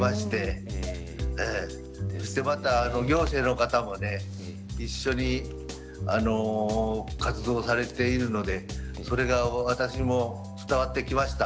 そしてまた行政の方もね一緒に活動されているのでそれが私も伝わってきました。